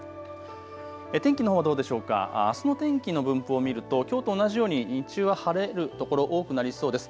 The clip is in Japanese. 天気のほうどうでしょうか、あすの天気の分布を見るときょうと同じように日中は晴れる所多くなりそうです。